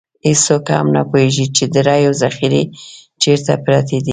هېڅوک هم نه پوهېږي چې د رایو ذخیرې چېرته پرتې دي.